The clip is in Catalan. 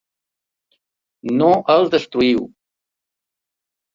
No el destruïu.